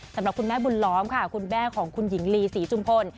สำหรับคุณแม่บุญล้อมค่ะคุณแม่ของคุณหญิงลีศรีจุมพล